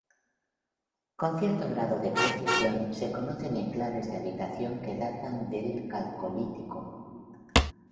Con cierto grado de precisión se conocen enclaves de habitación que datan del Calcolítico.